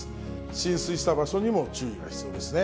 浸水した場所にも注意が必要ですね。